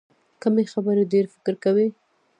کمې خبرې، ډېر فکر کوي.